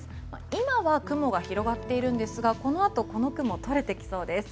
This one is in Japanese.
今は雲が広がっているんですがこのあと、この雲が取れてきそうです。